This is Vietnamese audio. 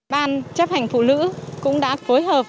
ban chấp hành phụ nữ cũng đã phối hợp